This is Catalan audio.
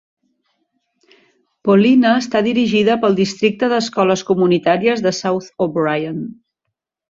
Paullina està dirigida pel districte d'escoles comunitàries de South O'Brien.